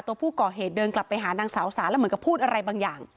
ตัวผู้ก่อเหตุเดินกลับไปหานางสาวสาแล้วเหมือนกับพูดอะไรบางอย่าง